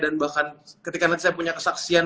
dan bahkan ketika nanti saya punya kesaksian